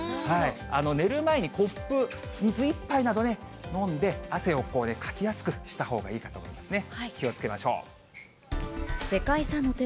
寝る前にコップ、水１杯などをね、飲んで、汗をかきやすくしたほうがいいかと思いますね。